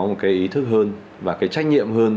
một cái ý thức hơn và cái trách nhiệm hơn